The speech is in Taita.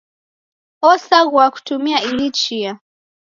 Osaghua kutumia ihi chia.